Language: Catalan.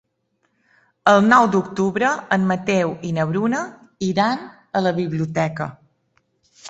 El nou d'octubre en Mateu i na Bruna iran a la biblioteca.